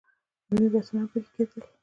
علمي بحثونه هم په کې کېدل.